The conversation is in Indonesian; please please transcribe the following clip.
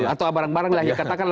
atau barang barang yang dikatakan